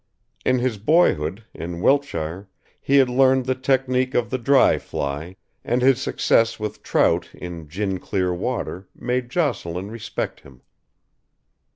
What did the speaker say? In his boyhood, in Wiltshire, he had learned the technique of the dry fly, and his successes with trout in gin clear water made Jocelyn respect him.